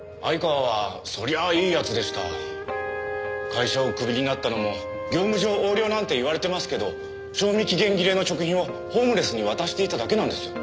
会社をクビになったのも業務上横領なんて言われてますけど賞味期限切れの食品をホームレスに渡していただけなんです。